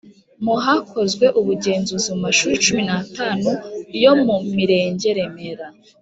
mu Hakozwe ubugenzuzi mu mashuri cumi n atanu yo mu Mirenge Remera